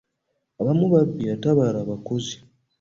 Abamu babbi ate abalala bakozi.